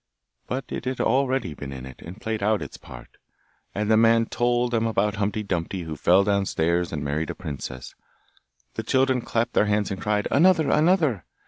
But it had already been in it, and played out its part. And the man told them about Humpty Dumpty who fell downstairs and married a princess. The children clapped their hands and cried, 'Another! another!